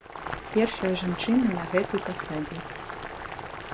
Першая жанчына на гэтай пасадзе.